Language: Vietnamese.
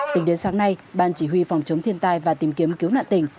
tính đến sáng nay ban chỉ huy phòng chống thiên tai và tìm kiếm cứu nạn tỉnh